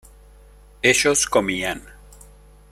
ellos comían